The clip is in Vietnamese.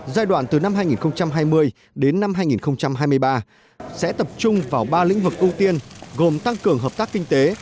giai đoạn từ năm hai nghìn hai mươi đến năm hai nghìn hai mươi ba sẽ tập trung vào ba lĩnh vực ưu tiên gồm tăng cường hợp tác kinh tế